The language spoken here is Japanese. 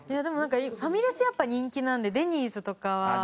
でもなんかファミレスやっぱ人気なんでデニーズとかは。